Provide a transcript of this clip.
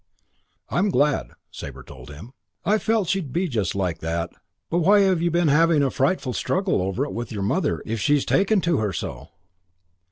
"I am glad," Sabre told him. "I felt she'd be just like that. But why have you been having a frightful struggle over it with your mother if she's taken to her so?"